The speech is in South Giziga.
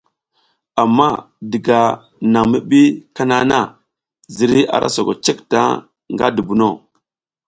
Amma diga nan mi bi kana na, zirey ara soko cek taŋ nga dubuno.